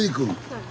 はい。